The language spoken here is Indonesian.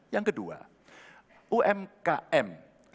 yang kedua umkm